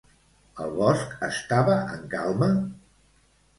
El bosc estava en calma?